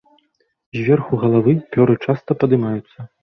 Зверху галавы пёры часта падымаюцца.